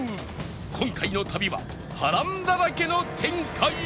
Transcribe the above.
今回の旅は波乱だらけの展開へ